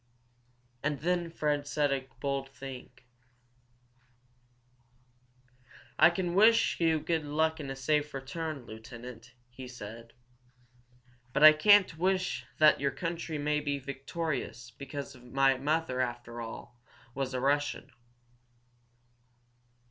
And then Fred said a bold thing. "I can wish you good luck and a safe return, Lieutenant," he said. "But I can't wish that your country may be victorious because my mother, after all, was a Russian."